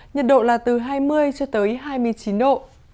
nhiệt độ là từ hai mươi cho tới hai mươi chín độ